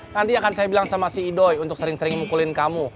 nanti akan saya bilang sama si idoy untuk sering sering mukulin kamu